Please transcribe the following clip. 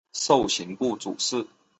授刑部主事。